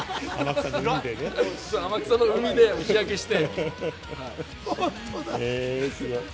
天草の海で日焼けして。